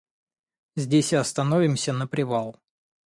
Здесь и остановимся на привал.